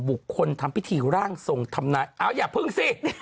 ทำพิธีร่างทรงทำนายอ้าวอย่าพึ่งสิ